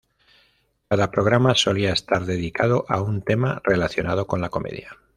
Cada programa solía estar dedicado a un tema relacionado con la comedia.